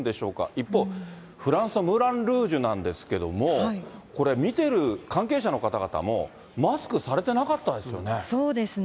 一方、フランスはムーランルージュなんですけれども、これ、見てる関係者の方々もマスクされてなかったですよね。